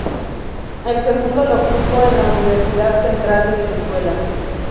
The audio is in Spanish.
El segundo lo obtuvo en la Universidad Central de Venezuela.